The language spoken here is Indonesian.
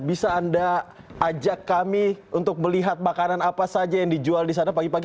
bisa anda ajak kami untuk melihat makanan apa saja yang dijual di sana pagi pagi